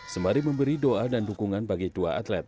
sembari memberi doa dan dukungan bagi dua atlet